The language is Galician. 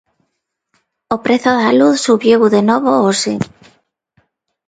O prezo da luz subiu de novo hoxe.